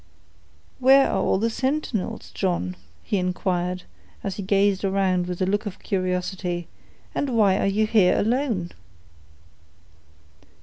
"Where are all the sentinels, John?" he inquired, as he gazed around with a look of curiosity, "and why are you here alone?"